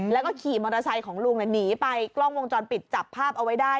แล้วก็ขี่มอเตอร์ไซค์ของลุงหนีไปกล้องวงจรปิดจับภาพเอาไว้ได้